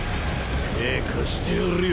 手ぇ貸してやるよ